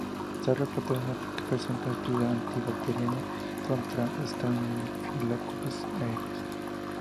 Se ha reportado que presenta actividad anti-bacteriana contra "Staphylococcus aureus".